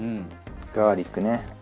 ガーリックね。